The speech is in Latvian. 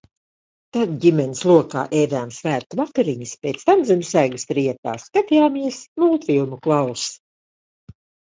Tad ģimenes lokā ēdām svētku vakariņas, pēc tam zem segas trijatā skatījāmies multfilmu "Klauss".